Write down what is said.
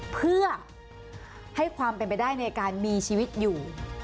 เพื่อให้ความเป็นไปได้ในการมีชีวิตอยู่